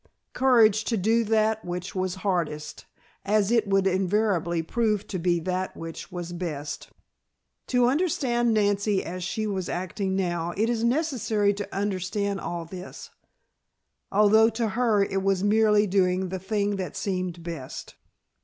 Courage to do that which was hardest, as it would invariably prove to be that which was best. To understand Nancy as she was acting now, it is necessary to understand all this, although to her it was merely doing the thing that seemed best.